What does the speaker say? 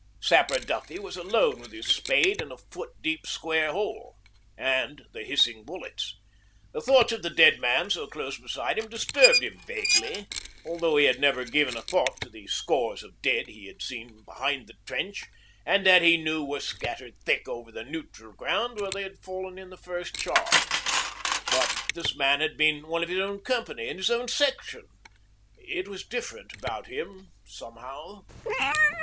Sapper Duffy was alone with his spade and a foot deep square hole and the hissing bullets. The thoughts of the dead man so close beside him disturbed him vaguely, although he had never given a thought to the scores of dead he had seen behind the trench and that he knew were scattered thick over the 'neutral' ground where they had fallen in the first charge. But this man had been one of his own company and his own section it was different about him somehow.